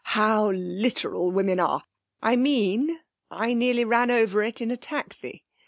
'How literal women are! I mean I nearly ran over it in a taxi.